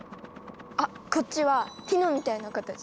あっこっちはティノみたいな形。